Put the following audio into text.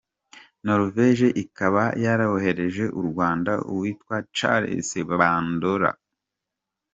Norvege ikaba yaroherereje u Rwanda uwitwa Charles Bandora.